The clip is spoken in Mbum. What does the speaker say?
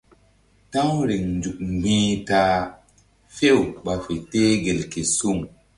Ta̧w riŋ nzuk mgbi̧h ta a few ɓa fe teh gel ke suŋ.